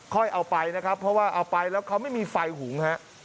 เอาไปนะครับเพราะว่าเอาไปแล้วเขาไม่มีไฟหุงฮะ